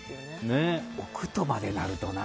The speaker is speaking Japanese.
置くとまでなるとな。